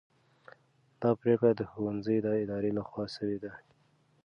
دا پرېکړه د ښوونځي د ادارې لخوا سوې ده.